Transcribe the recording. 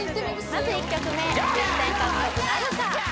まず１曲目１０点獲得なるか？